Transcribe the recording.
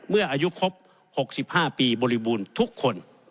เมื่ออายุครบ๖๕ปีบริบูรณ์ทุกคน